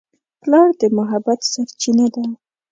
پلار د محبت سرچینه ده.